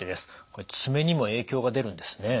これ爪にも影響が出るんですね。